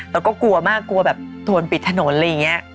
แล้วก็กลัวมากกลัวแบบถวนปิดถนนอะไรอย่างนี้